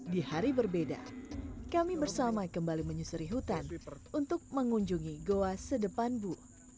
di hari berbeda kami bersama kembali menyusuri hutan untuk mengunjungi goa sedepan bu